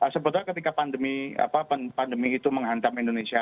sebetulnya ketika pandemi itu menghantam indonesia